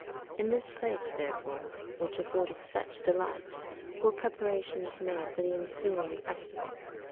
In this place, therefore, which afforded such delights, were preparations made for the ensuing festival.